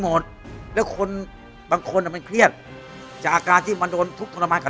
หมดแล้วคนบางคนอ่ะมันเครียดจากอาการที่มันโดนทุกข์ทรมานกับ